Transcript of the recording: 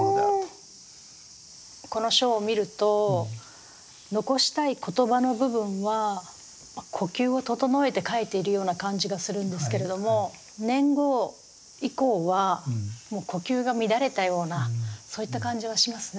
この書を見ると残したい言葉の部分は呼吸を整えて書いているような感じがするんですけれども年号以降はもう呼吸が乱れたようなそういった感じがしますね。